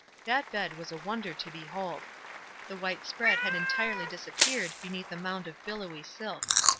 That bed was a wonder to behold. The white spread had entirely disappeared beneath a mound of billowy silk.